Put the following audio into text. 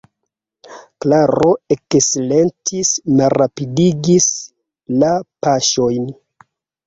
Klaro eksilentis, malrapidigis la paŝojn.